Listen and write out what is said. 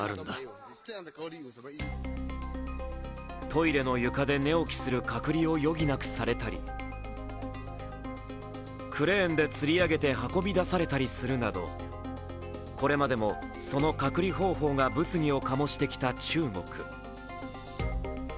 トイレの床で寝起きする隔離を余儀なくされたり、クレーンでつり上げて運び出されたりするなど、これまでもその隔離方法が物議を醸してきた中国。